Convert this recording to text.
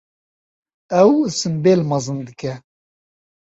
Ew simbêl mezin dike.